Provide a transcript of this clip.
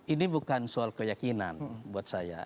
ini bukan soal keyakinan buat saya